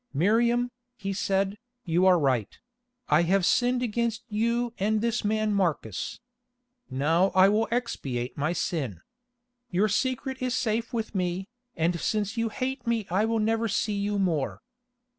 "Miriam," he said, "you are right; I have sinned against you and this man Marcus. Now I will expiate my sin. Your secret is safe with me, and since you hate me I will never see you more.